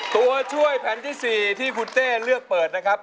ตัวช่วยแผ่นที่๔ที่คุณเต้เลือกเปิดนะครับ